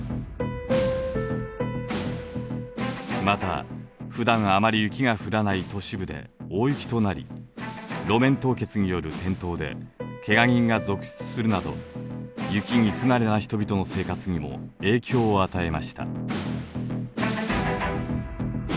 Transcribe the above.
また普段あまり雪が降らない都市部で大雪となり路面凍結による転倒でけが人が続出するなど雪に不慣れな人々の生活にも影響を与えました。